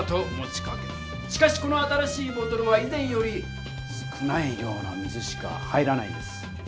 しかしこの新しいボトルはい前より少ない量の水しか入らないんです。